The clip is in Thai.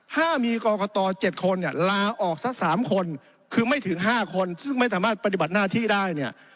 ถ้ามีกรกต๗คนเนี่ยลาออกซะ๓คนคือไม่ถึง๕คนซึ่งไม่สามารถปฏิบัติหน้าที่ได้เนี่ย